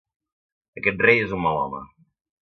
Aquest rei és un mal home.